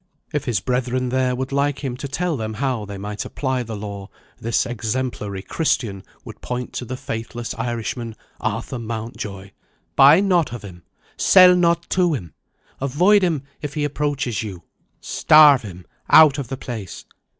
If his brethren there would like him to tell them how they might apply the law, this exemplary Christian would point to the faithless Irishman, Arthur Mountjoy. "Buy not of him, sell not to him; avoid him if he approaches you; starve him out of the place.